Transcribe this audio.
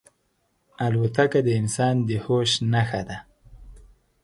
الوتکه د انسان د هوش نښه ده.